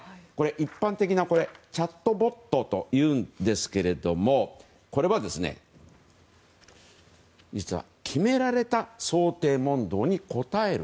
一般的なチャットボットというんですけどもこれは実は決められた想定問答に答える。